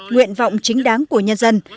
nguyện vọng chính đáng của nhân dân